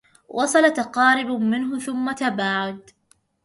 وصل تقارب منه ثم تباعد